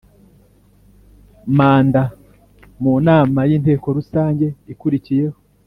manda mu nama y Inteko rusange ikurikiyeho